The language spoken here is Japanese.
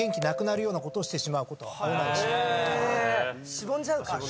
しぼんじゃうからね。